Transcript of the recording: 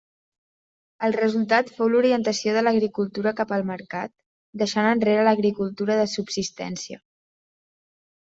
El resultat fou l'orientació de l'agricultura cap al mercat, deixant enrere l’agricultura de subsistència.